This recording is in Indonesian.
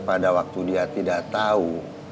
pada waktu dia tidak tahu